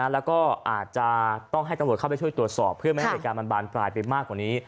แล้วก็อาจจะต้องให้ตำรวจเข้าไปช่วยตรวจสอบเพื่อไม่ให้เหตุการณ์มันบานปลายไปมากกว่านี้